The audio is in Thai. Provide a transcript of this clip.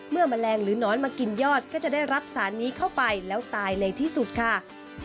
แมลงหรือนอนมากินยอดก็จะได้รับสารนี้เข้าไปแล้วตายในที่สุดค่ะ